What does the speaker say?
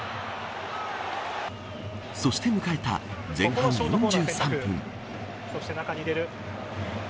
そして迎えた前半の４３分。